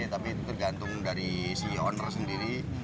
tapi tergantung dari si owner sendiri